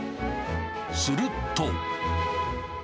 すると。